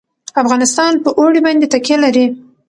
افغانستان په اوړي باندې تکیه لري.